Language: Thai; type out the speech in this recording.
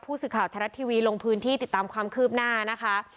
สื่อข่าวไทยรัฐทีวีลงพื้นที่ติดตามความคืบหน้านะคะ